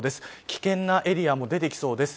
危険なエリアも出てきそうです。